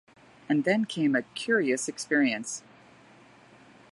And then came a curious experience.